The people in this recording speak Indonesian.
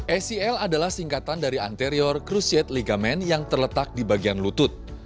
acl adalah singkatan dari anterior cruciate ligament yang terletak di bagian lutut